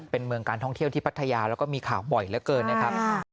เป็นเมืองการท่องเที่ยวที่พัทยาแล้วก็มีข่าวบ่อยเหลือเกินนะครับ